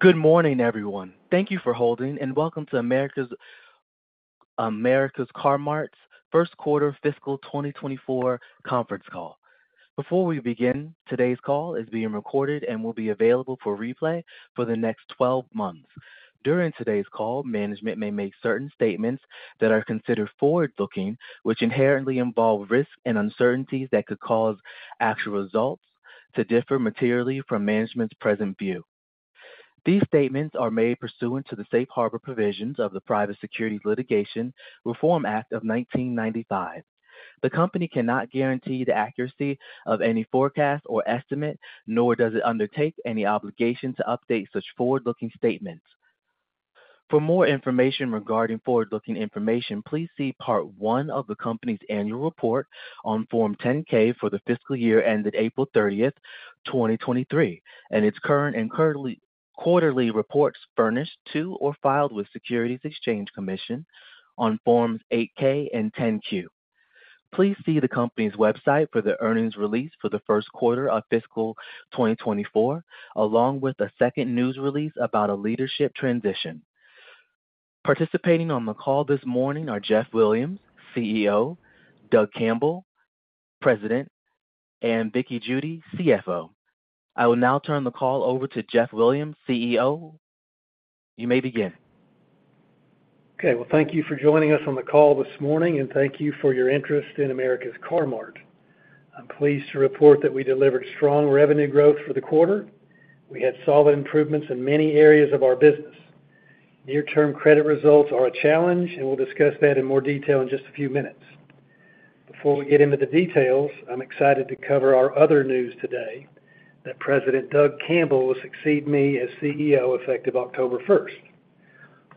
Good morning, everyone. Thank you for holding and welcome to America's Car-Mart's first quarter fiscal 2024 conference call. Before we begin, today's call is being recorded and will be available for replay for the next 12 months. During today's call, management may make certain statements that are considered forward-looking, which inherently involve risks and uncertainties that could cause actual results to differ materially from management's present view. These statements are made pursuant to the safe harbor provisions of the Private Securities Litigation Reform Act of 1995. The company cannot guarantee the accuracy of any forecast or estimate, nor does it undertake any obligation to update such forward-looking statements. For more information regarding forward-looking information, please see part one of the company's annual report on Form 10-K for the fiscal year ended April 30, 2023, and its current and quarterly reports furnished to or filed with the Securities and Exchange Commission on Forms 8-K and 10-Q. Please see the company's website for the earnings release for the first quarter of fiscal 2024, along with a second news release about a leadership transition. Participating on the call this morning are Jeff Williams, CEO, Doug Campbell, President, and Vickie Judy, CFO. I will now turn the call over to Jeff Williams, CEO. You may begin. Okay, well, thank you for joining us on the call this morning, and thank you for your interest in America's Car-Mart. I'm pleased to report that we delivered strong revenue growth for the quarter. We had solid improvements in many areas of our business. Near-term credit results are a challenge, and we'll discuss that in more detail in just a few minutes. Before we get into the details, I'm excited to cover our other news today, that President Doug Campbell will succeed me as CEO, effective October first.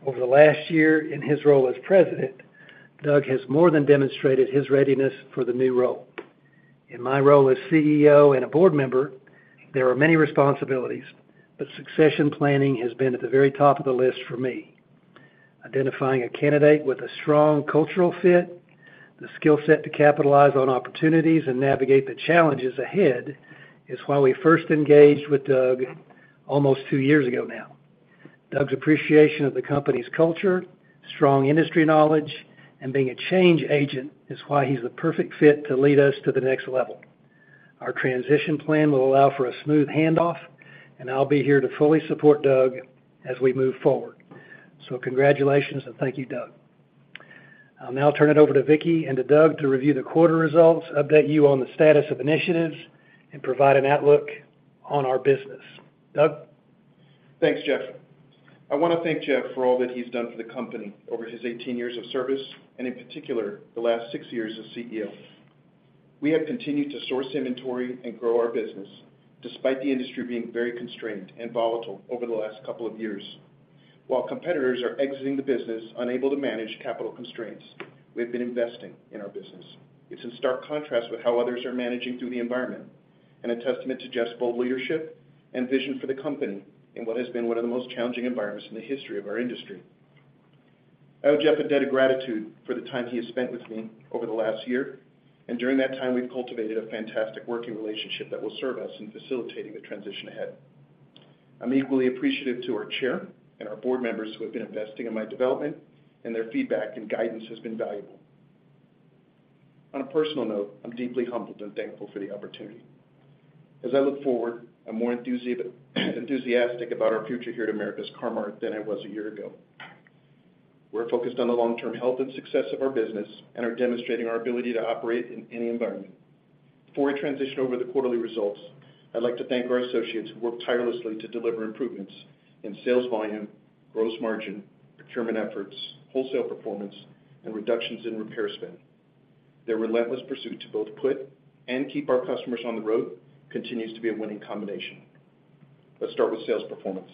Over the last year, in his role as president, Doug has more than demonstrated his readiness for the new role. In my role as CEO and a board member, there are many responsibilities, but succession planning has been at the very top of the list for me. Identifying a candidate with a strong cultural fit, the skill set to capitalize on opportunities and navigate the challenges ahead, is why we first engaged with Doug almost two years ago now. Doug's appreciation of the company's culture, strong industry knowledge, and being a change agent is why he's the perfect fit to lead us to the next level. Our transition plan will allow for a smooth handoff, and I'll be here to fully support Doug as we move forward. Congratulations, and thank you, Doug. I'll now turn it over to Vickie and to Doug to review the quarter results, update you on the status of initiatives, and provide an outlook on our business. Doug? Thanks, Jeff. I want to thank Jeff for all that he's done for the company over his 18 years of service, and in particular, the last 6 years as CEO. We have continued to source inventory and grow our business, despite the industry being very constrained and volatile over the last couple of years. While competitors are exiting the business, unable to manage capital constraints, we've been investing in our business. It's in stark contrast with how others are managing through the environment, and a testament to Jeff's bold leadership and vision for the company in what has been one of the most challenging environments in the history of our industry. I owe Jeff a debt of gratitude for the time he has spent with me over the last year, and during that time, we've cultivated a fantastic working relationship that will serve us in facilitating the transition ahead. I'm equally appreciative to our chair and our board members who have been investing in my development, and their feedback and guidance has been valuable. On a personal note, I'm deeply humbled and thankful for the opportunity. As I look forward, I'm more enthusiastic about our future here at America's Car-Mart than I was a year ago. We're focused on the long-term health and success of our business and are demonstrating our ability to operate in any environment. Before I transition over the quarterly results, I'd like to thank our associates who worked tirelessly to deliver improvements in sales volume, gross margin, procurement efforts, wholesale performance, and reductions in repair spend. Their relentless pursuit to both put and keep our customers on the road continues to be a winning combination. Let's start with sales performance.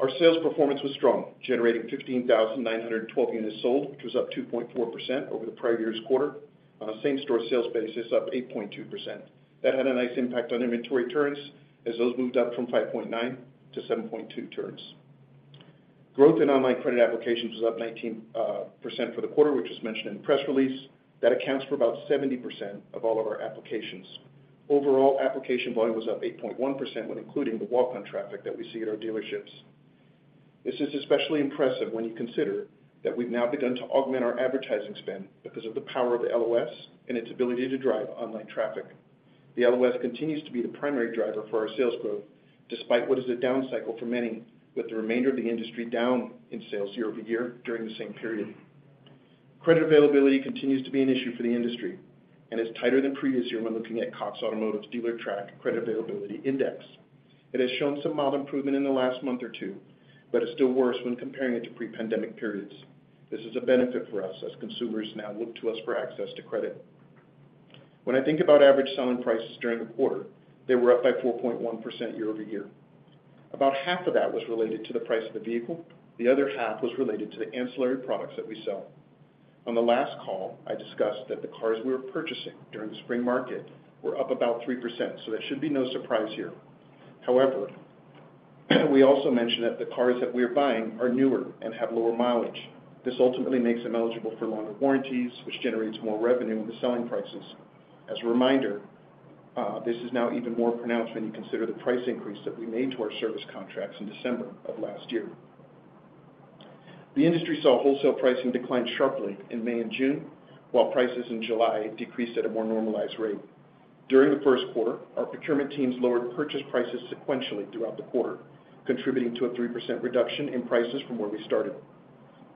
Our sales performance was strong, generating 15,912 units sold, which was up 2.4% over the prior year's quarter. On a same-store sales basis, up 8.2%. That had a nice impact on inventory turns, as those moved up from 5.9 to 7.2 turns. Growth in online credit applications was up 19% for the quarter, which was mentioned in the press release. That accounts for about 70% of all of our applications. Overall, application volume was up 8.1%, when including the walk-in traffic that we see at our dealerships. This is especially impressive when you consider that we've now begun to augment our advertising spend because of the power of the LOS and its ability to drive online traffic. The LOS continues to be the primary driver for our sales growth, despite what is a down cycle for many, with the remainder of the industry down in sales year-over-year during the same period. Credit availability continues to be an issue for the industry, and is tighter than previous year when looking at Cox Automotive Dealertrack Credit Availability Index. It has shown some mild improvement in the last month or two, but is still worse when comparing it to pre-pandemic periods. This is a benefit for us, as consumers now look to us for access to credit. When I think about average selling prices during the quarter, they were up by 4.1% year-over-year. About half of that was related to the price of the vehicle, the other half was related to the ancillary products that we sell. On the last call, I discussed that the cars we were purchasing during the spring market were up about 3%, so there should be no surprise here. However, we also mentioned that the cars that we are buying are newer and have lower mileage. This ultimately makes them eligible for longer warranties, which generates more revenue in the selling prices. As a reminder, this is now even more pronounced when you consider the price increase that we made to our service contracts in December of last year. The industry saw wholesale pricing decline sharply in May and June, while prices in July decreased at a more normalized rate. During the first quarter, our procurement teams lowered purchase prices sequentially throughout the quarter, contributing to a 3% reduction in prices from where we started.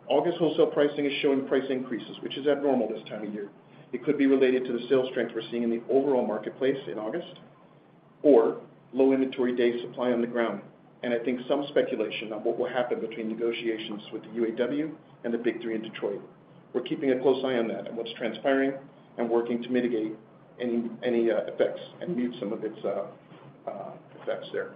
August wholesale pricing is showing price increases, which is abnormal this time of year. It could be related to the sales strength we're seeing in the overall marketplace in August, or low inventory days supply on the ground. I think some speculation on what will happen between negotiations with the UAW and the Big Three in Detroit. We're keeping a close eye on that and what's transpiring and working to mitigate any effects and mute some of its effects there.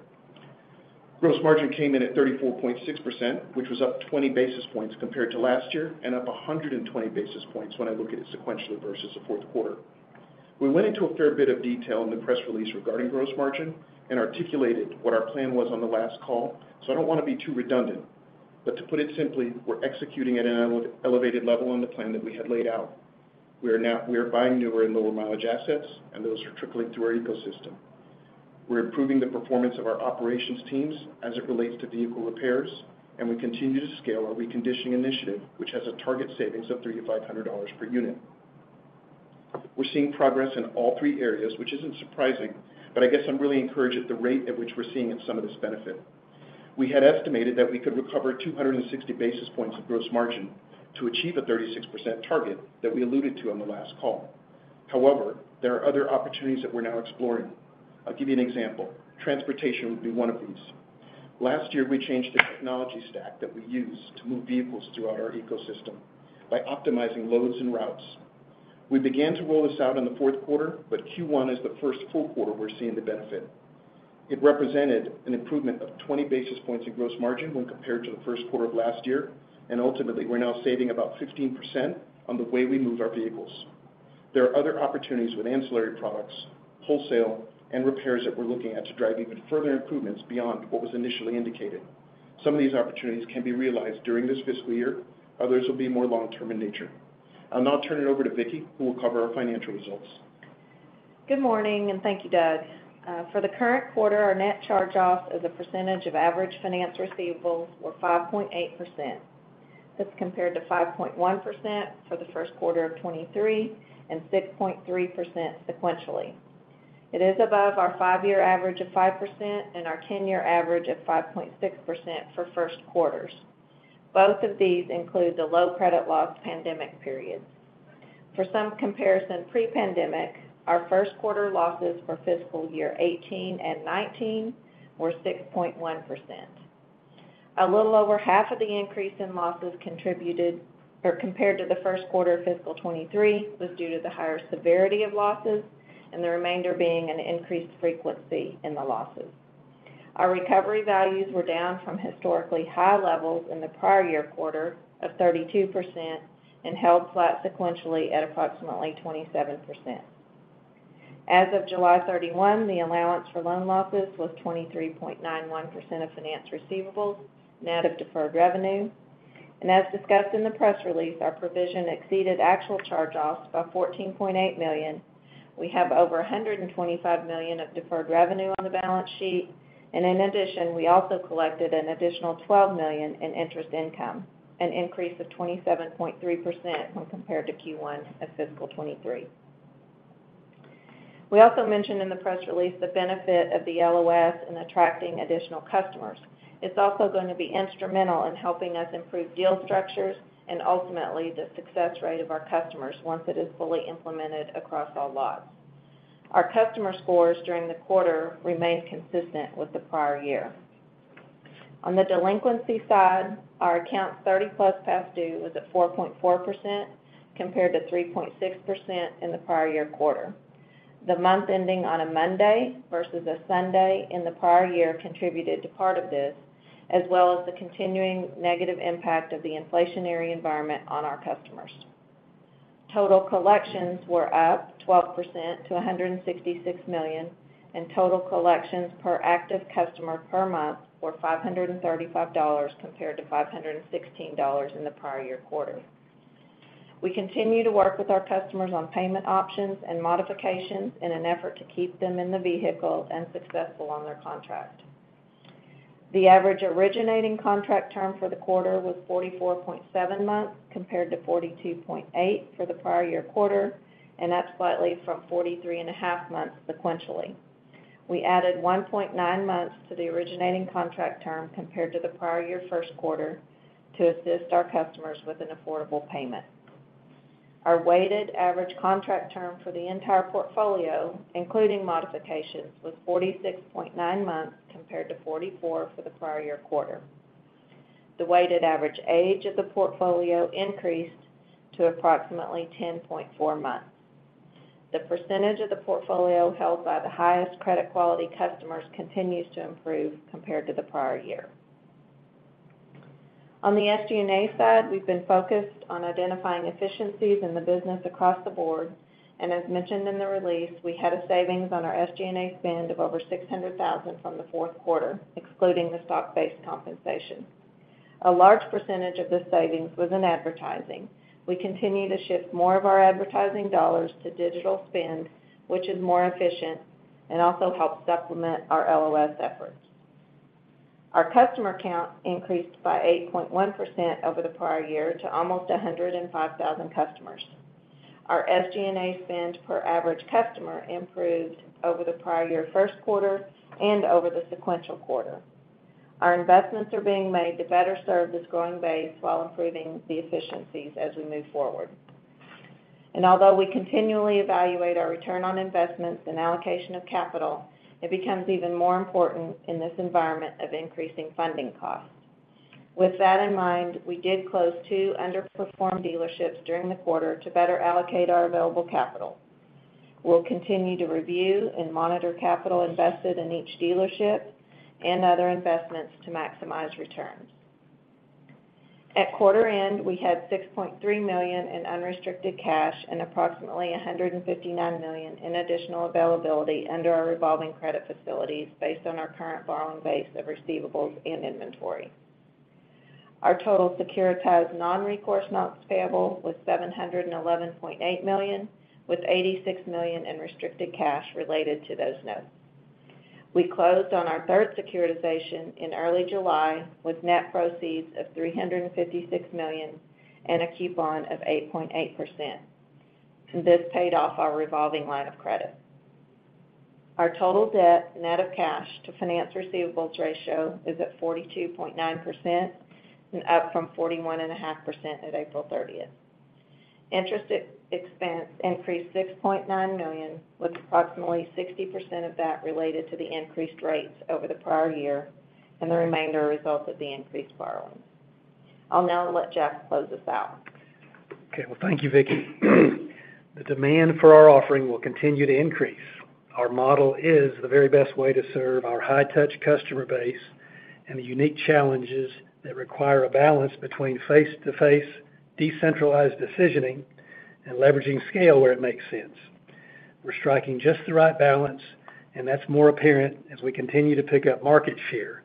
Gross margin came in at 34.6%, which was up 20 basis points compared to last year, and up 120 basis points when I look at it sequentially versus the fourth quarter. We went into a fair bit of detail in the press release regarding gross margin and articulated what our plan was on the last call, so I don't want to be too redundant. To put it simply, we're executing at an elevated level on the plan that we had laid out. We are buying newer and lower mileage assets, and those are trickling through our ecosystem. We're improving the performance of our operations teams as it relates to vehicle repairs, and we continue to scale our reconditioning initiative, which has a target savings of $300-$500 per unit. We're seeing progress in all three areas, which isn't surprising, but I guess I'm really encouraged at the rate at which we're seeing some of this benefit. We had estimated that we could recover 260 basis points of gross margin to achieve a 36% target that we alluded to on the last call. However, there are other opportunities that we're now exploring. I'll give you an example. Transportation would be one of these. Last year, we changed the technology stack that we use to move vehicles throughout our ecosystem by optimizing loads and routes. We began to roll this out in the fourth quarter, but Q1 is the first full quarter we're seeing the benefit. It represented an improvement of 20 basis points in gross margin when compared to the first quarter of last year, and ultimately, we're now saving about 15% on the way we move our vehicles. There are other opportunities with ancillary products, wholesale, and repairs that we're looking at to drive even further improvements beyond what was initially indicated. Some of these opportunities can be realized during this fiscal year, others will be more long-term in nature. I'll now turn it over to Vickie, who will cover our financial results. Good morning, and thank you, Doug. For the current quarter, our net charge-off as a percentage of average finance receivables were 5.8%. That's compared to 5.1% for the first quarter of 2023, and 6.3% sequentially. It is above our five-year average of 5% and our ten-year average of 5.6% for first quarters. Both of these include the low credit loss pandemic period. For some comparison, pre-pandemic, our first quarter losses for fiscal year 2018 and 2019 were 6.1%. A little over half of the increase in losses, compared to the first quarter of fiscal 2023, was due to the higher severity of losses, and the remainder being an increased frequency in the losses. Our recovery values were down from historically high levels in the prior year quarter of 32% and held flat sequentially at approximately 27%. As of July 31, the allowance for loan losses was 23.91% of finance receivables, net of deferred revenue. As discussed in the press release, our provision exceeded actual charge-offs by $14.8 million. We have over $125 million of deferred revenue on the balance sheet, and in addition, we also collected an additional $12 million in interest income, an increase of 27.3% when compared to Q1 of fiscal 2023. We also mentioned in the press release the benefit of the LOS in attracting additional customers. It's also going to be instrumental in helping us improve deal structures and ultimately, the success rate of our customers once it is fully implemented across all lots. Our customer scores during the quarter remained consistent with the prior year. On the delinquency side, our account 30+ past due was at 4.4%, compared to 3.6% in the prior year quarter. The month ending on a Monday versus a Sunday in the prior year contributed to part of this, as well as the continuing negative impact of the inflationary environment on our customers. Total collections were up 12% to $166 million, and total collections per active customer per month were $535 compared to $516 in the prior year quarter. We continue to work with our customers on payment options and modifications in an effort to keep them in the vehicle and successful on their contract. The average originating contract term for the quarter was 44.7 months, compared to 42.8 for the prior year quarter, and up slightly from 43.5 months sequentially. We added 1.9 months to the originating contract term compared to the prior year first quarter, to assist our customers with an affordable payment. Our weighted average contract term for the entire portfolio, including modifications, was 46.9 months, compared to 44 for the prior year quarter. The weighted average age of the portfolio increased to approximately 10.4 months. The percentage of the portfolio held by the highest credit quality customers continues to improve compared to the prior year. On the SG&A side, we've been focused on identifying efficiencies in the business across the board, and as mentioned in the release, we had a savings on our SG&A spend of over $600,000 from the fourth quarter, excluding the stock-based compensation. A large percentage of this savings was in advertising. We continue to shift more of our advertising dollars to digital spend, which is more efficient and also helps supplement our LOS efforts. Our customer count increased by 8.1% over the prior year to almost 105,000 customers. Our SG&A spend per average customer improved over the prior-year first quarter and over the sequential quarter. Our investments are being made to better serve this growing base while improving the efficiencies as we move forward. Although we continually evaluate our return on investments and allocation of capital, it becomes even more important in this environment of increasing funding costs. With that in mind, we did close two underperformed dealerships during the quarter to better allocate our available capital. We'll continue to review and monitor capital invested in each dealership and other investments to maximize returns. At quarter end, we had $6.3 million in unrestricted cash and approximately $159 million in additional availability under our revolving credit facilities, based on our current borrowing base of receivables and inventory. Our total securitized non-recourse notes payable was $711.8 million, with $86 million in restricted cash related to those notes. We closed on our third securitization in early July, with net proceeds of $356 million and a coupon of 8.8%, and this paid off our revolving line of credit. Our total debt net of cash to finance receivables ratio is at 42.9% and up from 41.5% at April 30. Interest expense increased $6.9 million, with approximately 60% of that related to the increased rates over the prior year, and the remainder a result of the increased borrowing. I'll now let Jeff close us out. Okay. Well, thank you, Vickie. The demand for our offering will continue to increase. Our model is the very best way to serve our high-touch customer base and the unique challenges that require a balance between face-to-face, decentralized decisioning, and leveraging scale where it makes sense. We're striking just the right balance, and that's more apparent as we continue to pick up market share.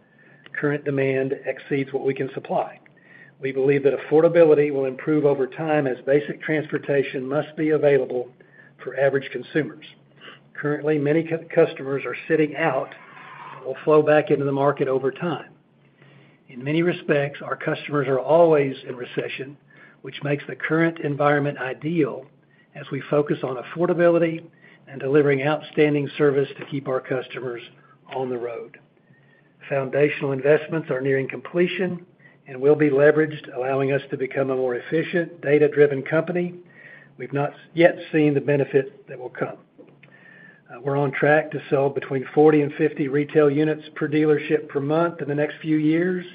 Current demand exceeds what we can supply. We believe that affordability will improve over time, as basic transportation must be available for average consumers. Currently, many customers are sitting out, will flow back into the market over time. In many respects, our customers are always in recession, which makes the current environment ideal as we focus on affordability and delivering outstanding service to keep our customers on the road. Foundational investments are nearing completion and will be leveraged, allowing us to become a more efficient, data-driven company. We've not yet seen the benefit that will come. We're on track to sell between 40 and 50 retail units per dealership per month in the next few years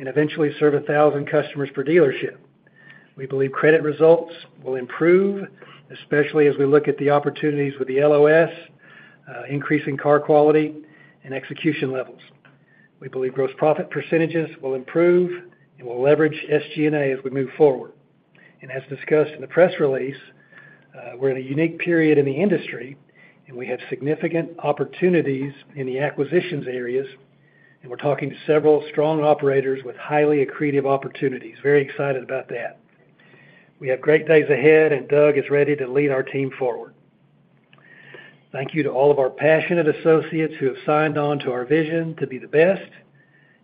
and eventually serve 1,000 customers per dealership. We believe credit results will improve, especially as we look at the opportunities with the LOS, increasing car quality and execution levels. We believe gross profit percentages will improve, and we'll leverage SG&A as we move forward. As discussed in the press release, we're in a unique period in the industry, and we have significant opportunities in the acquisitions areas, and we're talking to several strong operators with highly accretive opportunities. Very excited about that. We have great days ahead, and Doug is ready to lead our team forward. Thank you to all of our passionate associates who have signed on to our vision to be the best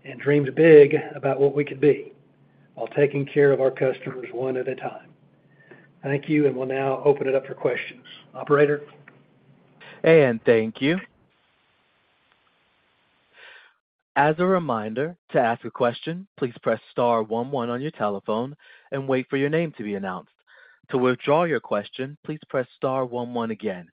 and dreams big about what we could be, while taking care of our customers one at a time. Thank you, and we'll now open it up for questions. Operator? Thank you. As a reminder, to ask a question, please press star one one on your telephone and wait for your name to be announced. To withdraw your question, please press star one one again.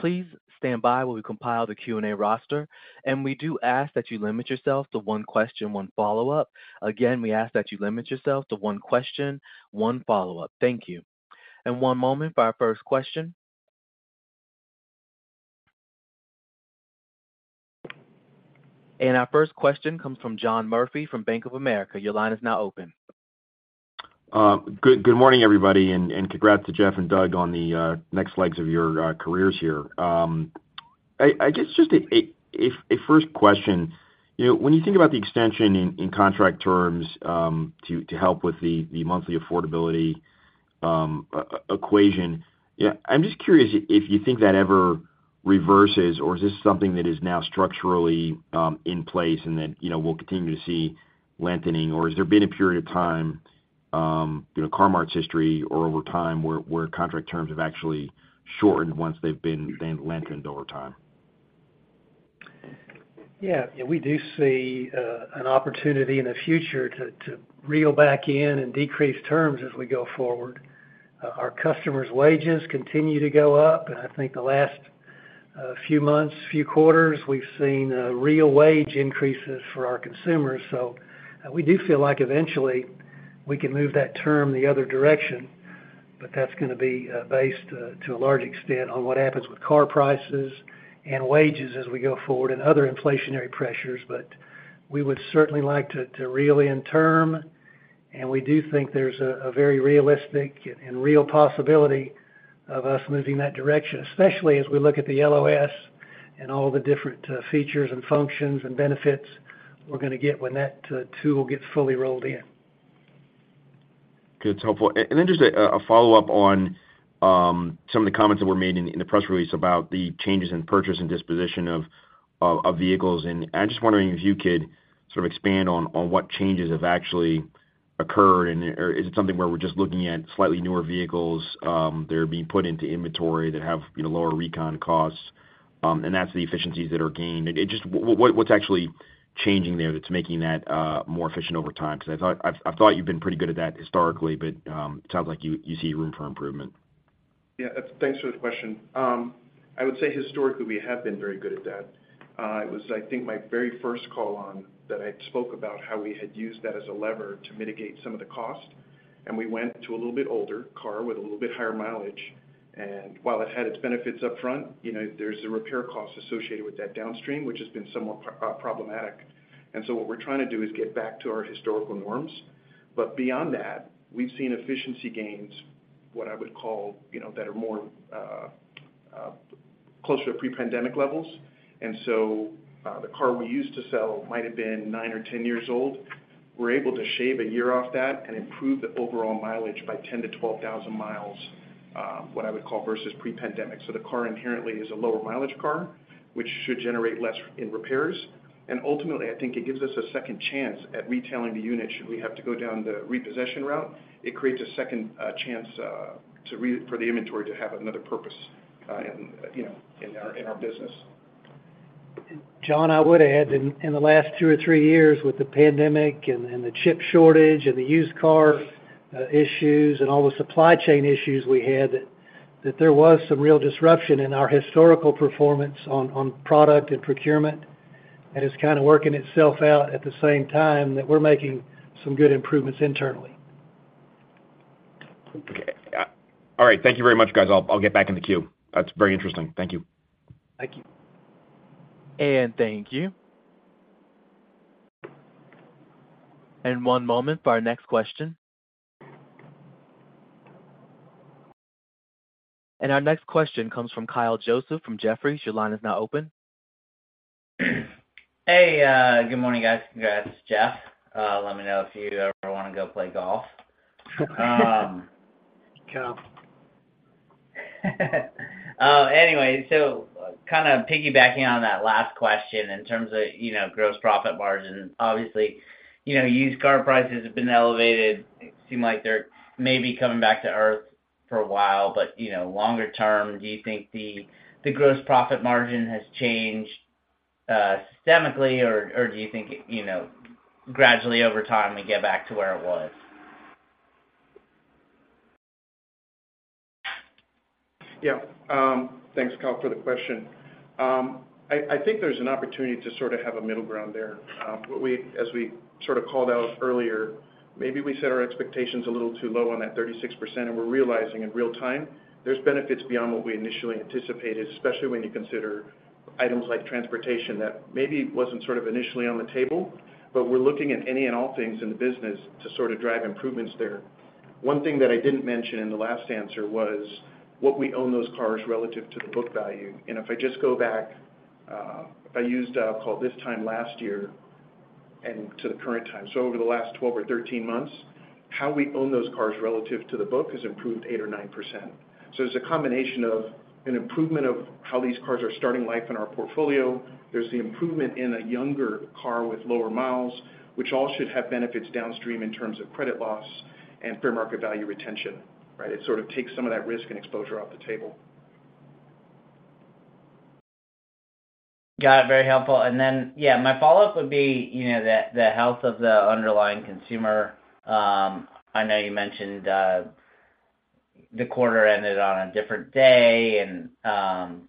Please stand by while we compile the Q&A roster, and we do ask that you limit yourself to one question, one follow-up. Again, we ask that you limit yourself to one question, one follow-up. Thank you. One moment for our first question. Our first question comes from John Murphy from Bank of America. Your line is now open. Good morning, everybody, and congrats to Jeff and Doug on the next legs of your careers here. I have a first question, you know, when you think about the extension in contract terms to help with the monthly affordability equation. Yeah, I'm just curious if you think that ever reverses, or is this something that is now structurally in place and then, you know, we'll continue to see lengthening? Or has there been a period of time, you know, Car-Mart's history or over time, where contract terms have actually shortened once they've been lengthened over time? Yeah, yeah, we do see an opportunity in the future to reel back in and decrease terms as we go forward. Our customers' wages continue to go up, and I think the last few months, few quarters, we've seen real wage increases for our consumers. So we do feel like eventually we can move that term the other direction, but that's gonna be based to a large extent on what happens with car prices and wages as we go forward and other inflationary pressures. But we would certainly like to reel in term and we do think there's a very realistic and real possibility of us moving in that direction, especially as we look at the LOS and all the different features and functions and benefits we're gonna get when that tool gets fully rolled in. Good. It's helpful. Then just a follow-up on some of the comments that were made in the press release about the changes in purchase and disposition of vehicles. I'm just wondering if you could sort of expand on what changes have actually occurred, and, or is it something where we're just looking at slightly newer vehicles that are being put into inventory that have, you know, lower recon costs, and that's the efficiencies that are gained? Just what's actually changing there that's making that more efficient over time? Because I thought, I've thought you've been pretty good at that historically, but it sounds like you see room for improvement. Yeah, thanks for the question. I would say historically, we have been very good at that. It was, I think, my very first call on that I spoke about how we had used that as a lever to mitigate some of the cost, and we went to a little bit older car with a little bit higher mileage. While it had its benefits upfront, you know, there's the repair costs associated with that downstream, which has been somewhat problematic. What we're trying to do is get back to our historical norms. But beyond that, we've seen efficiency gains, what I would call, you know, that are more closer to pre-pandemic levels. The car we used to sell might have been nine or 10 years old. We're able to shave a year off that and improve the overall mileage by 10,000 m-12,000 m, what I would call versus pre-pandemic. So the car inherently is a lower mileage car, which should generate less in repairs, and ultimately, I think it gives us a second chance at retailing the unit should we have to go down the repossession route. It creates a second chance for the inventory to have another purpose, you know, in our business. John, I would add, in the last two or three years, with the pandemic and the chip shortage and the used car issues and all the supply chain issues we had, that there was some real disruption in our historical performance on product and procurement. It's kind of working itself out at the same time that we're making some good improvements internally. Okay. All right. Thank you very much, guys. I'll get back in the queue. That's very interesting. Thank you. Thank you. Thank you. One moment for our next question. Our next question comes from Kyle Joseph from Jefferies. Your line is now open. Hey, good morning, guys. Congrats, Jeff. Let me know if you ever want to go play golf. Kyle. Anyway, so kind of piggybacking on that last question in terms of, you know, gross profit margin. Obviously, you know, used car prices have been elevated. It seem like they're maybe coming back to Earth for a while. But, you know, longer term, do you think the, the gross profit margin has changed, systemically, or, or do you think it, you know, gradually over time, we get back to where it was? Yeah. Thanks, Kyle, for the question. I think there's an opportunity to sort of have a middle ground there. What we- as we sort of called out earlier, maybe we set our expectations a little too low on that 36%, and we're realizing in real time there's benefits beyond what we initially anticipated, especially when you consider items like transportation, that maybe wasn't sort of initially on the table, but we're looking at any and all things in the business to sort of drive improvements there. One thing that I didn't mention in the last answer was, what we own those cars relative to the book value. If I just go back, if I used, call it this time last year and to the current time, so over the last 12-13 months, how we own those cars relative to the book has improved 8%-9%. So there's a combination of an improvement of how these cars are starting life in our portfolio. There's the improvement in a younger car with lower miles, which all should have benefits downstream in terms of credit loss and fair market value retention, right? It sort of takes some of that risk and exposure off the table. Got it. Very helpful. Yeah, my follow-up would be, you know, the health of the underlying consumer. I know you mentioned the quarter ended on a different day and,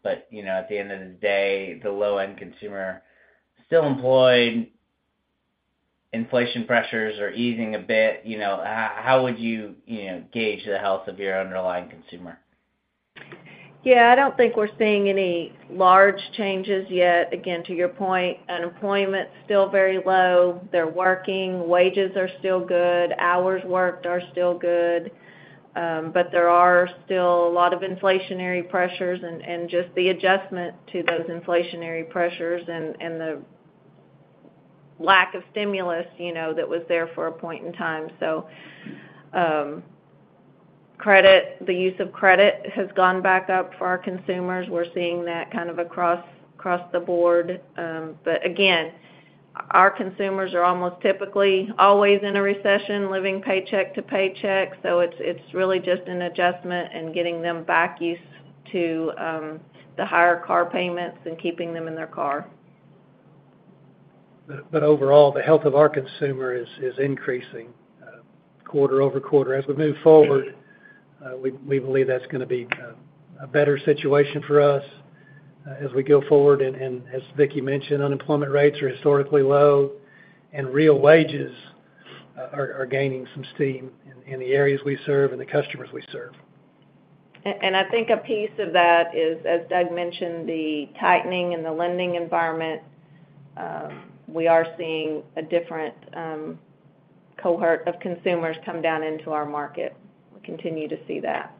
but, you know, at the end of the day, the low-end consumer still employed, inflation pressures are easing a bit. You know, how would you, you know, gauge the health of your underlying consumer? Yeah, I don't think we're seeing any large changes yet. Again, to your point, unemployment's still very low. They're working, wages are still good, hours worked are still good. But there are still a lot of inflationary pressures and just the adjustment to those inflationary pressures and the lack of stimulus, you know, that was there for a point in time. Credit, the use of credit has gone back up for our consumers. We're seeing that kind of across the board. But again, our consumers are almost typically always in a recession, living paycheck to paycheck, so it's really just an adjustment and getting them back used to the higher car payments and keeping them in their car. But overall, the health of our consumer is increasing quarter-over-quarter. As we move forward, we believe that's gonna be a better situation for us as we go forward. As Vickie mentioned, unemployment rates are historically low, and real wages are gaining some steam in the areas we serve and the customers we serve. I think a piece of that is, as Doug mentioned, the tightening in the lending environment. We are seeing a different cohort of consumers come down into our market. We continue to see that.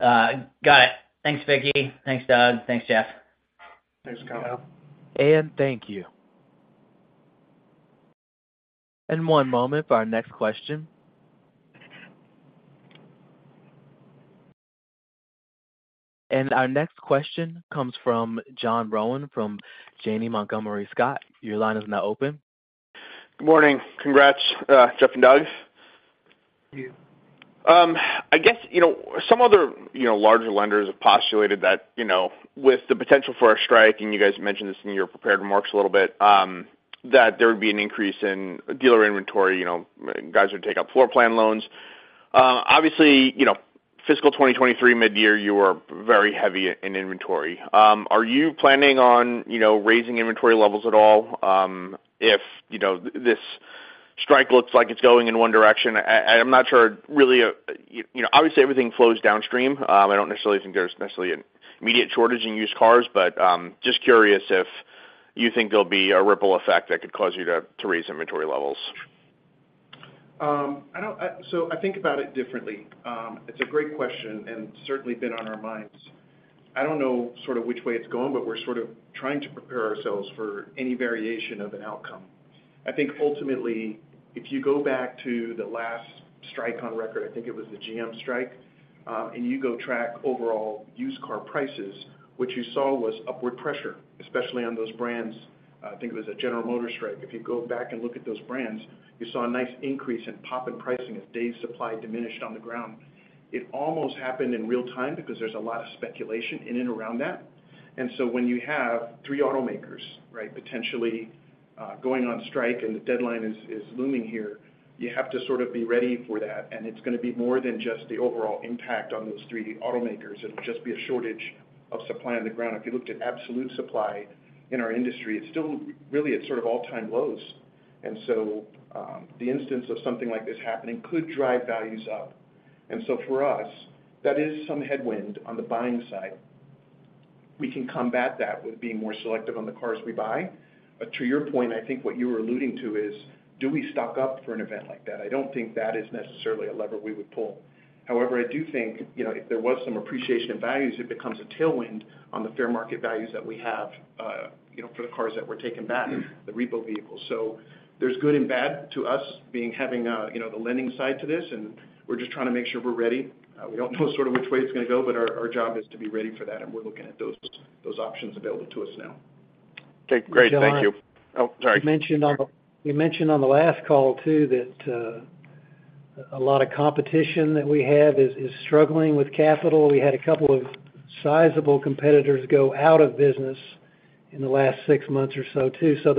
Got it. Thanks, Vickie. Thanks, Doug. Thanks, Jeff. Thanks, Kyle. Thank you. One moment for our next question. Our next question comes from John Rowan from Janney Montgomery Scott. Your line is now open. Good morning. Congrats, Jeff and Doug. Thank you. I guess, you know, some other, you know, larger lenders have postulated that, you know, with the potential for a strike, and you guys mentioned this in your prepared remarks a little bit, that there would be an increase in dealer inventory, you know, guys would take up floor plan loans. Obviously, you know, fiscal 2023 mid-year, you were very heavy in inventory. Are you planning on, you know, raising inventory levels at all, if, you know, this strike looks like it's going in one direction? I'm not sure really, you know... Obviously, everything flows downstream. I don't necessarily think there's necessarily an immediate shortage in used cars, but, just curious if you think there'll be a ripple effect that could cause you to raise inventory levels. So I think about it differently. It's a great question, and certainly been on our minds. I don't know sort of which way it's going, but we're sort of trying to prepare ourselves for any variation of an outcome. I think ultimately, if you go back to the last strike on record, I think it was the GM strike, and you go track overall used car prices, what you saw was upward pressure, especially on those brands. I think it was a General Motors strike. If you go back and look at those brands, you saw a nice increase in pop and pricing as day supply diminished on the ground. It almost happened in real time because there's a lot of speculation in and around that. When you have three automakers, right, potentially going on strike and the deadline is looming here, you have to sort of be ready for that, and it's gonna be more than just the overall impact on those three automakers. It'll just be a shortage of supply on the ground. If you looked at absolute supply in our industry, it's still really at sort of all-time lows. The instance of something like this happening could drive values up. For us, that is some headwind on the buying side. We can combat that with being more selective on the cars we buy. But to your point, I think what you were alluding to is, do we stock up for an event like that? I don't think that is necessarily a lever we would pull. However, I do think, you know, if there was some appreciation of values, it becomes a tailwind on the fair market values that we have, you know, for the cars that were taken back, the repo vehicles. So there's good and bad to us being, having, you know, the lending side to this, and we're just trying to make sure we're ready. We don't know sort of which way it's gonna go, but our job is to be ready for that, and we're looking at those options available to us now. Okay, great. Thank you. Oh, sorry. You mentioned on the last call, too, that a lot of competition that we have is struggling with capital. We had a couple of sizable competitors go out of business in the last six months or so, too. So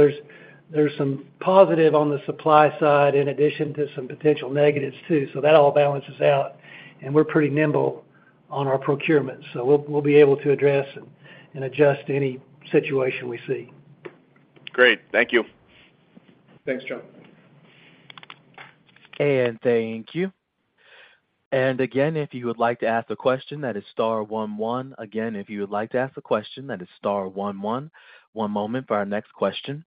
there's some positive on the supply side in addition to some potential negatives, too. So that all balances out, and we're pretty nimble on our procurement, so we'll be able to address and adjust any situation we see. Great. Thank you. Thanks, John. And thank you. And again, if you would like to ask a question, that is star one one. Again, if you would like to ask a question, that is star one one. One moment for our next question.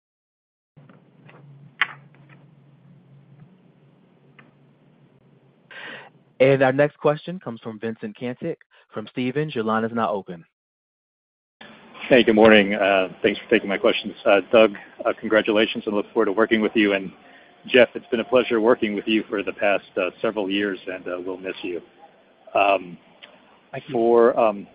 And our next question comes from Vincent Caintic from Stephens. Your line is now open. Hey, good morning. Thanks for taking my questions. Doug, congratulations, and look forward to working with you. Jeff, it's been a pleasure working with you for the past several years, and we'll miss you. Thank you.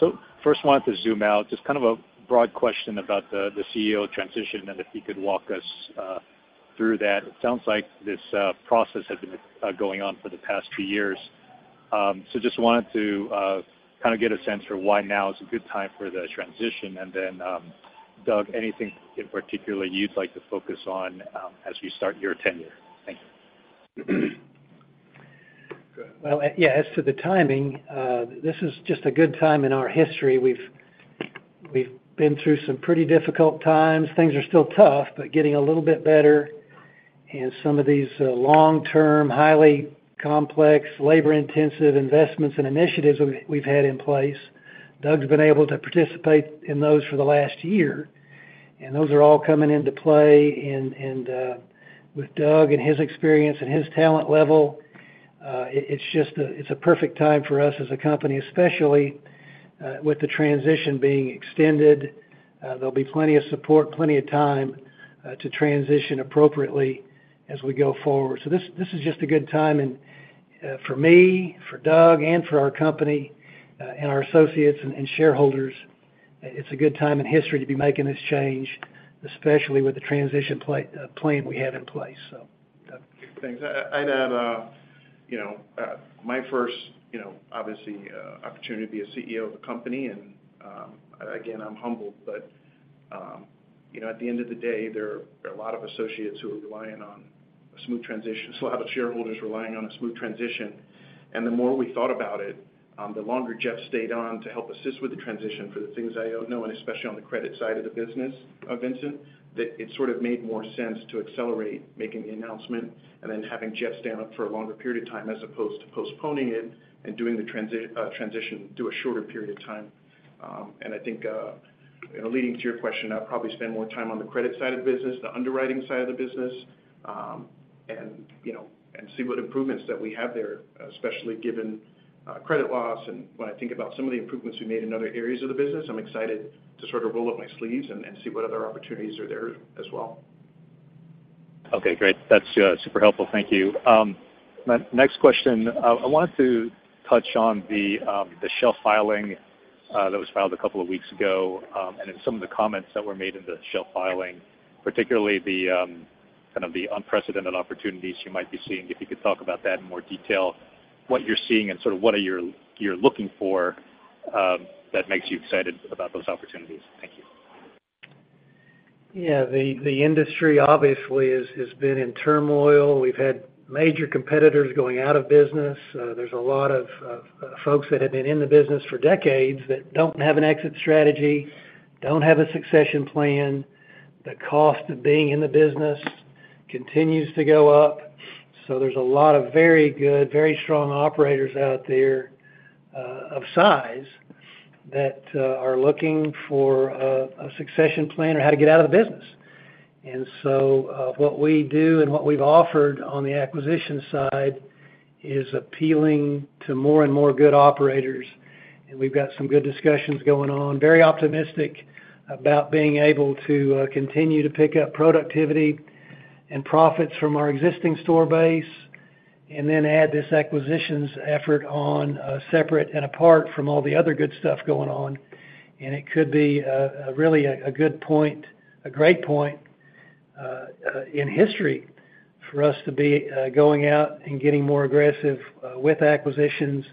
So first, I wanted to zoom out, just kind of a broad question about the CEO transition and if you could walk us through that. It sounds like this process has been going on for the past two years. So just wanted to kind of get a sense for why now is a good time for the transition. And then, Doug, anything in particular you'd like to focus on as you start your tenure? Thank you. Well, yeah, as to the timing, this is just a good time in our history. We've been through some pretty difficult times. Things are still tough, but getting a little bit better. And some of these long-term, highly complex, labor-intensive investments and initiatives we've had in place, Doug's been able to participate in those for the last year, and those are all coming into play. And with Doug and his experience and his talent level, it's just a perfect time for us as a company, especially with the transition being extended. There'll be plenty of support, plenty of time to transition appropriately as we go forward. So this, this is just a good time, and, for me, for Doug, and for our company, and our associates and, and shareholders, it's a good time in history to be making this change, especially with the transition plan we have in place, so. Thanks. I'd add, you know, my first, you know, obviously, opportunity to be a CEO of a company, and again, I'm humbled. But, you know, at the end of the day, there are a lot of associates who are relying on a smooth transition, so a lot of shareholders relying on a smooth transition. And the more we thought about it, the longer Jeff stayed on to help assist with the transition for the things I know, and especially on the credit side of the business of Vincent, that it sort of made more sense to accelerate making the announcement and then having Jeff stay on for a longer period of time, as opposed to postponing it and doing the transition through a shorter period of time. And I think, leading to your question, I'll probably spend more time on the credit side of the business, the underwriting side of the business, and, you know, and see what improvements that we have there, especially given credit loss. And when I think about some of the improvements we made in other areas of the business, I'm excited to sort of roll up my sleeves and see what other opportunities are there as well. Okay, great. That's super helpful. Thank you. My next question, I wanted to touch on the shelf filing that was filed a couple of weeks ago, and in some of the comments that were made in the shelf filing, particularly the kind of the unprecedented opportunities you might be seeing, if you could talk about that in more detail, what you're seeing and sort of what are you, you're looking for, that makes you excited about those opportunities? Thank you. Yeah, the industry obviously has been in turmoil. We've had major competitors going out of business. There's a lot of folks that have been in the business for decades that don't have an exit strategy, don't have a succession plan. The cost of being in the business continues to go up. So there's a lot of very good, very strong operators out there of size that are looking for a succession plan or how to get out of the business. And so, what we do and what we've offered on the acquisition side is appealing to more and more good operators, and we've got some good discussions going on. Very optimistic about being able to continue to pick up productivity and profits from our existing store base, and then add this acquisitions effort on, separate and apart from all the other good stuff going on. It could be a really, a good point, a great point, in history for us to be going out and getting more aggressive with acquisitions,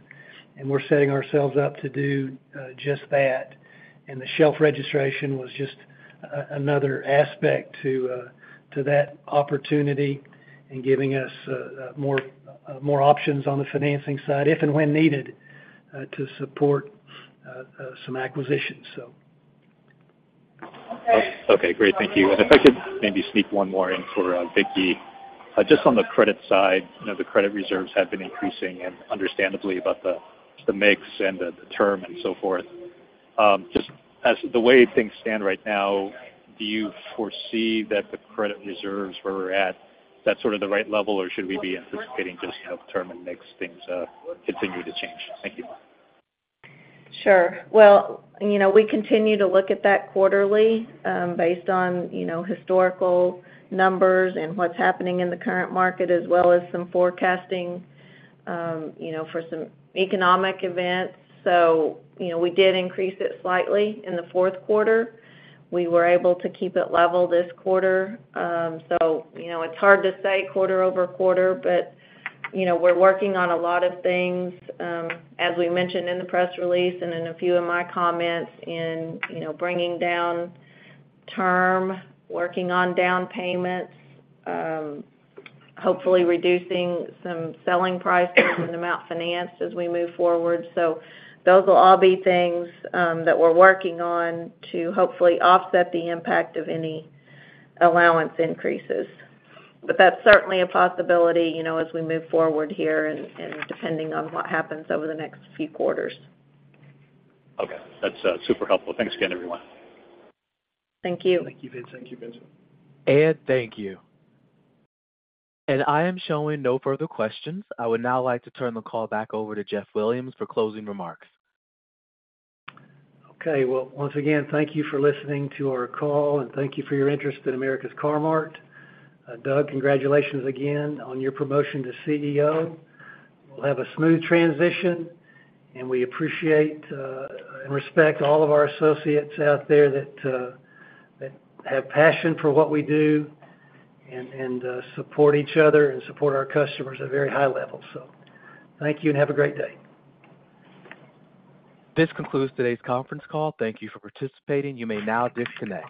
and we're setting ourselves up to do just that. The shelf registration was just another aspect to that opportunity and giving us more options on the financing side, if and when needed, to support some acquisitions, so. Okay, great. Thank you. And if I could maybe sneak one more in for Vickie. Just on the credit side, you know, the credit reserves have been increasing and understandably about the mix and the term and so forth. Just as the way things stand right now, do you foresee that the credit reserves where we're at, that's sort of the right level, or should we be anticipating just how term and mix things continue to change? Thank you. Sure. Well, you know, we continue to look at that quarterly, based on, you know, historical numbers and what's happening in the current market, as well as some forecasting, you know, for some economic events. So, you know, we did increase it slightly in the fourth quarter. We were able to keep it level this quarter. So, you know, it's hard to say quarter-over-quarter, but, you know, we're working on a lot of things, as we mentioned in the press release and in a few of my comments in, you know, bringing down term, working on down payments, hopefully reducing some selling prices and amount financed as we move forward. So those will all be things, that we're working on to hopefully offset the impact of any allowance increases. But that's certainly a possibility, you know, as we move forward here and depending on what happens over the next few quarters. Okay. That's super helpful. Thanks again, everyone. Thank you. Thank you, Vince. Thank you, Vincent. Thank you. I am showing no further questions. I would now like to turn the call back over to Jeff Williams for closing remarks. Okay. Well, once again, thank you for listening to our call, and thank you for your interest in America's Car-Mart. Doug, congratulations again on your promotion to CEO. We'll have a smooth transition, and we appreciate and respect all of our associates out there that have passion for what we do and support each other and support our customers at a very high level. So thank you, and have a great day. This concludes today's conference call. Thank you for participating. You may now disconnect.